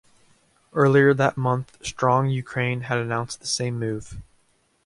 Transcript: Earlier that month Strong Ukraine had announced the same move.